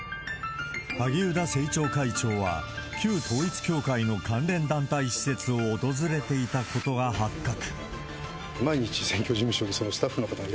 萩生田政調会長は旧統一教会の関連団体施設を訪れていたことが発覚。